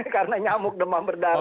karena nyamuk demam berdarah